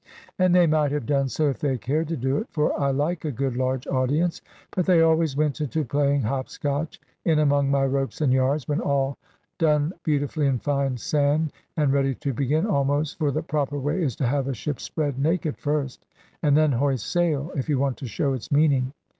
And they might have done so, if they cared to do it, for I like a good large audience; but they always went into playing hopscotch, in among my ropes and yards, when all done beautifully in fine sand, and ready to begin almost for the proper way is to have a ship spread naked first, and then hoist sail, if you want to show its meaning.